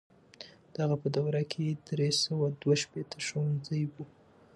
د هغه په دوره کې درې سوه دوه ويشت ښوونځي وو.